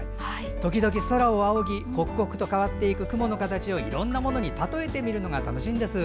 時々空を仰ぎ刻々と変わっていく雲の形をいろんなものに例えてみるのが楽しいものです。